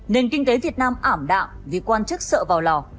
nền kinh tế việt nam ảm đạm vì quan chức sợ vào lò